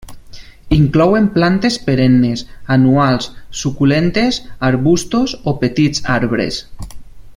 Inclouen plantes perennes, anuals, suculentes, arbustos o petits arbres.